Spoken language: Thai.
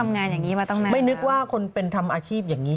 งานอย่างนี้มาตั้งนานไม่นึกว่าคนเป็นทำอาชีพอย่างนี้